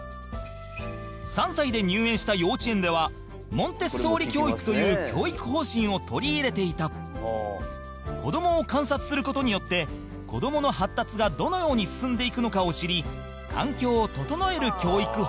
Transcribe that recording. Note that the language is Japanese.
３歳で入園した幼稚園ではモンテッソーリ教育という教育方針を取り入れていた子どもを観察する事によって子どもの発達がどのように進んでいくのかを知り環境を整える教育法